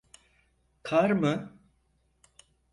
Kar mı?